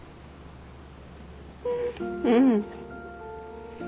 うん。